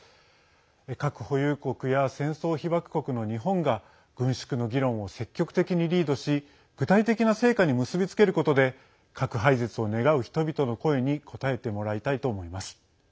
核保有国や戦争被ばく国の日本が軍縮の議論を積極的にリードし具体的な成果に結び付けることで核廃絶を願う人々の声に応えてもらいたいと思います。